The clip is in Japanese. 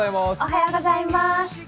おはようございます。